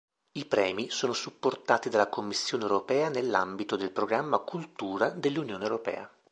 I premi sono supportati dalla Commissione europea nell'ambito del programma Cultura dell'Unione europea.